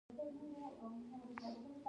تاج څښتنان را وپرزوي.